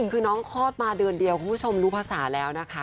คือน้องคลอดมาเดือนเดียวคุณผู้ชมรู้ภาษาแล้วนะคะ